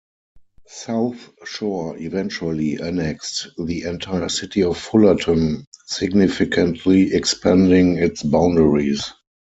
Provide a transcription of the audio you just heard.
South Shore eventually annexed the entire city of Fullerton, significantly expanding its boundaries.